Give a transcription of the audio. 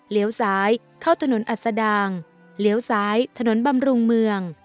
ซ้ายเข้าถนนอัศดางเลี้ยวซ้ายถนนบำรุงเมือง